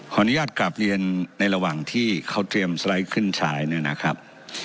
อนุญาตกลับเรียนในระหว่างที่เขาเตรียมสไลด์ขึ้นฉายเนี่ยนะครับ